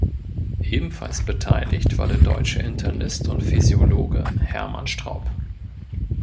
Ebenfalls beteiligt war der deutsche Internist und Physiologe Hermann Straub.